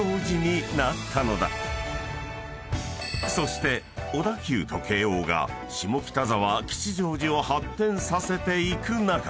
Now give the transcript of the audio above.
［そして小田急と京王が下北沢吉祥寺を発展させていく中］